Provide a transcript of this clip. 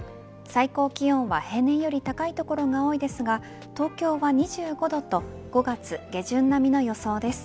最高気温は平年より高い所が多いですが東京は２５度と５月下旬並みの予想です。